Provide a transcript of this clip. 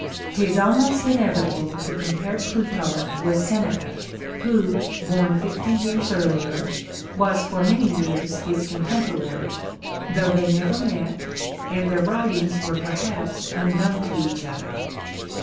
"^ 'Tis almost inevitable to compare Plutarch with Seneca, who, born fifty years earlier, was for many years his contem porary, though they never met, and their writings were perhaps unknown to each other.